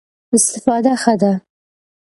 استفاده ښه ده.